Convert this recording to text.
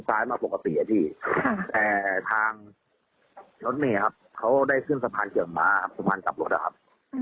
มอสไทยเขาขี่ทีซ้ายมาปกติไอ้พี่แต่ทางรถเมย์ครับเขาได้ขึ้นสะพานเกี่ยวกับม้าสะพานกลับรถอะครับ